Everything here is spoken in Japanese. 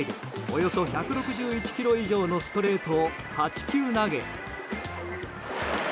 およそ１６１キロ以上のストレートを８球投げ。